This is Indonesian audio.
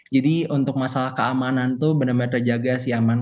jadi untuk masalah keamanan itu benar benar terjaga si aman